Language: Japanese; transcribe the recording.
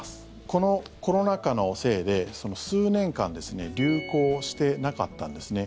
このコロナ禍のせいで、数年間流行してなかったんですね。